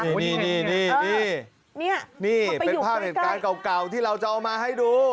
นี่นี่เป็นภาพเหตุการณ์เก่าที่เราจะเอามาให้ดู